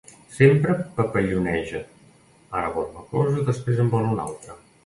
Sempre papalloneja: ara vol una cosa, després en vol una altra.